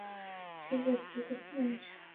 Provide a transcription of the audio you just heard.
ঠিক আছে, good night.